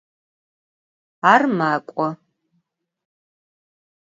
Ar mak'o.